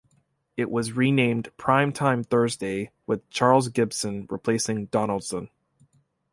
It was renamed "Primetime Thursday" with Charles Gibson replacing Donaldson.